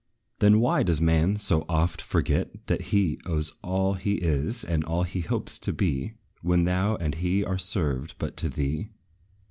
Then, why does man so oft forget that he Owes all he is, and all he hopes to be, When thou and he are severed, but to thee?